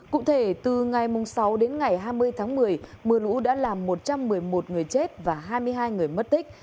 cụ thể từ ngày sáu đến ngày hai mươi tháng một mươi mưa lũ đã làm một trăm một mươi một người chết và hai mươi hai người mất tích